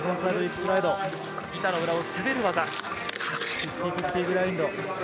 板の裏を滑る技。